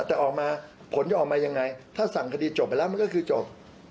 แต่ออกมาผลจะออกมายังไงถ้าสั่งคดีจบไปแล้วมันก็คือจบ